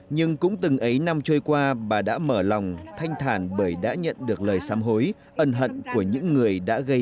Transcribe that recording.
nhưng cũng từng ấy năm trôi qua bà đã mở lòng thanh thản bởi đã nhận được lời xám hối